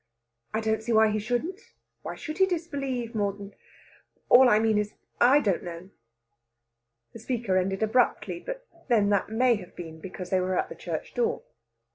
"I don't see why he shouldn't.... Why should he disbelieve more than...? All I mean is, I don't know." The speaker ended abruptly; but then that may have been because they were at the church door.